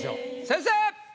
先生！